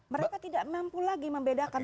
mereka tidak mampu lagi membedakan